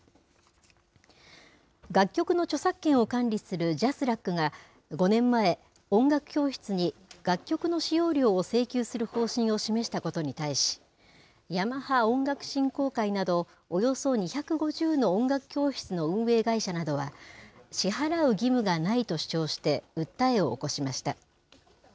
楽曲の著作権を管理するＪＡＳＲＡＣが、５年前、音楽教室に楽曲の使用料を請求する方針を示したことに対し、ヤマハ音楽振興会など、およそ２５０の音楽教室の運営会社などは、支払う義務がないと主張して訴えを起こしました。